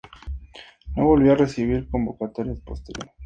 No volvió a recibir convocatorias posteriores.